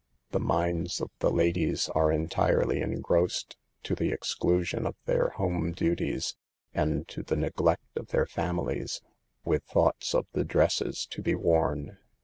The minds of the ladies are en tirely engrossed^ to the exclusion of their home duties, and to the neglect of their fam ilies, with thoughts of the dresses to be worn.